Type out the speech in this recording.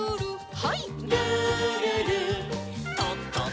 はい。